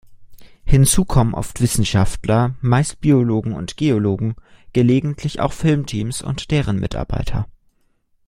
Hinzu kommen oft Wissenschaftler, meist Biologen und Geologen, gelegentlich auch Filmteams und deren Mitarbeiter.